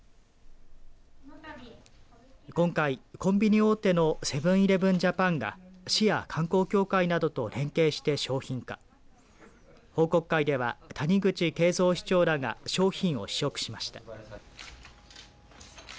今回コンビニ大手のセブン‐イレブン・ジャパンが市や観光協会などと連携して商品化報告会では谷口圭三市長らが商品を試食しました。